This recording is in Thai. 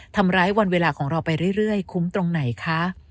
ทำร้ายวันเวลาของเราไปเรื่อยคุ้มตรงไหนคะ